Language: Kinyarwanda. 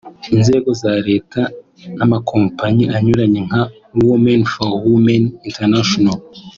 inzego za Leta n’amakompanyi anyuranye nka Women for Women International